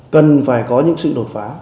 cần phải có những sự đột phá